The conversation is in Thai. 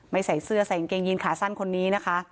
ไม่ใส่เสื้อใส่อังเกงยินขาสั้นคนนี้